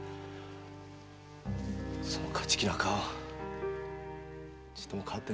その勝ち気な顔ちっとも変わってねえな。